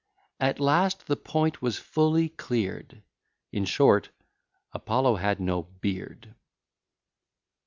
At last, the point was fully clear'd; In short, Apollo had no beard.